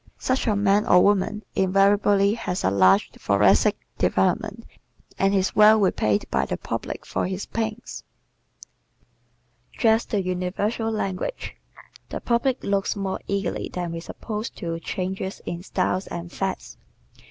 Such a man or woman invariably has a large thoracic development and is well repaid by the public for his pains. Dress the Universal Language ¶ The public looks more eagerly than we suppose to changes in styles and fads.